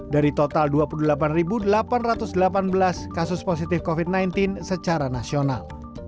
dari total dua puluh delapan delapan ratus delapan belas kasus positif covid sembilan belas secara nasional